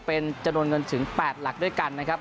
เป็นจำนวนเงินถึง๘หลักด้วยกันนะครับ